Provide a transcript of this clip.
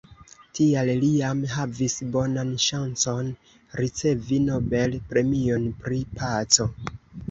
Tial li jam havis bonan ŝancon ricevi Nobel-premion pri paco.